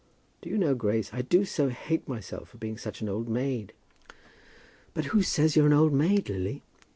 Do you know, Grace, I do so hate myself for being such an old maid." "But who says you're an old maid, Lily?"